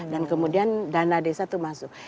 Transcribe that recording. dan kemudian dana desa itu masuk